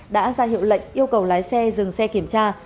đã ra hiệu lệnh yêu cầu lái xe dừng xe kiểm tra